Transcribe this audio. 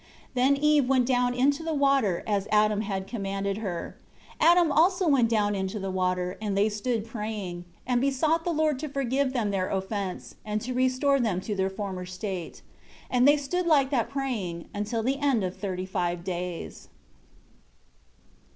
7 Then Eve went down into the water, as Adam had commanded her. Adam also went down into the water; and they stood praying; and besought the Lord to forgive them their offense, and to restore them to their former state. 8 And they stood like that praying, until the end of the thirty five days.